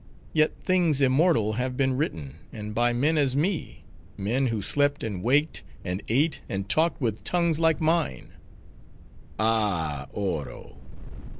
Yet, things immortal have been written; and by men as me;—men, who slept and waked; and ate; and talked with tongues like mine. Ah, Oro!